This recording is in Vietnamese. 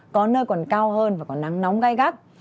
có nơi còn cao hơn và có nắng nóng gai gắt